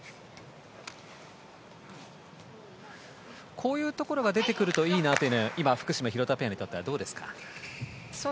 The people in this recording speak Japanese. こういうところが出てくるといいなというのは今の福島、廣田ペアにとってはどうですか？